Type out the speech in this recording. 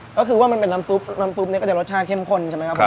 ก็คือว่ามันเป็นน้ำซุปน้ำซุปเนี่ยก็จะรสชาติเข้มข้นใช่ไหมครับผม